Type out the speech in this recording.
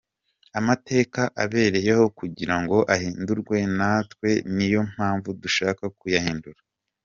Amateka abereyeho kugira ngo ahindurwe natwe niyo mpamvu dushaka kuyahindura.